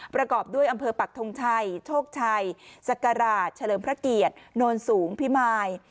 ประกอบด้วยอำเภอปักทงชัยโชคชัยศักราชเฉลิมพระเกียรติโนนสูงพิมาย